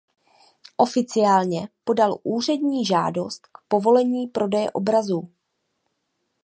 Oficiálně podal úřední žádost k povolení prodeje obrazů.